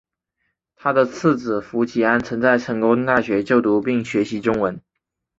他的次子傅吉安曾在成功大学就读并学习中文。